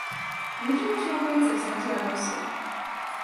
Regional Champions of Santiago Sul